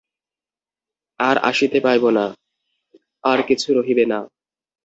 আর আসিতে পাইব না, আর কিছু রহিবে না!